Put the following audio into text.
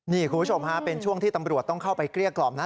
นี่คุณผู้ชมฮะเป็นช่วงที่ตำรวจต้องเข้าไปเกลี้ยกล่อมนะ